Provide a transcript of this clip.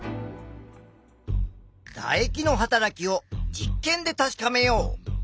だ液のはたらきを実験で確かめよう！